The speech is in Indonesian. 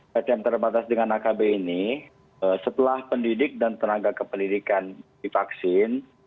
ptm terbatas dengan akb ini setelah pendidik dan tenaga kependidikan divaksin